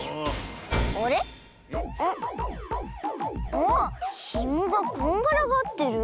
ああひもがこんがらがってる。